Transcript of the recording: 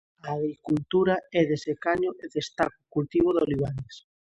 A agricultura é de secaño e destaca o cultivo de oliveiras.